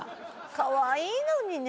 かわいいのにね。